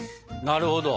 なるほど。